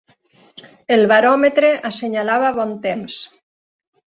El baròmetre assenyalava bon temps.